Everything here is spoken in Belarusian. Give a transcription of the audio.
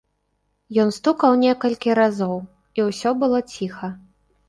Ён стукаў некалькі разоў, і ўсё было ціха.